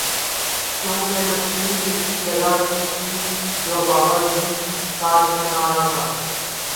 کیوں کہ تصویر اسی جگہ کی تھی جو باباجی کا ٹھکانہ تھا